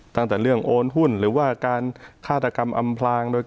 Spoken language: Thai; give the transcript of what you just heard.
ตั้งแต่เรื่องโอนหุ้นหรือว่าการฆาตกรรมอำพลางโดย